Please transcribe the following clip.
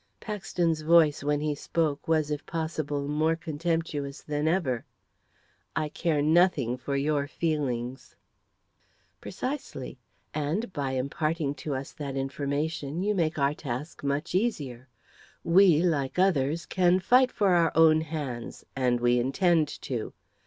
Paxton's voice, when he spoke, was, if possible, more contemptuous than ever. "I care nothing for your feelings." "Precisely; and, by imparting to us that information, you make our task much easier. We, like others, can fight for our own hands and we intend to.